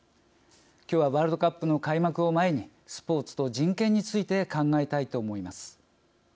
今日は、ワールドカップの開幕を前にスポーツと人権について考えたいと思います。